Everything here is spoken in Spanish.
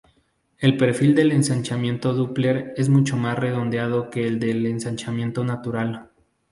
El perfil del ensanchamiento Doppler es mucho más redondeado que el del ensanchamiento natural.